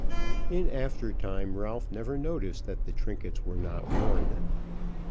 In after time Ralph never noticed that the trinkets were not worn.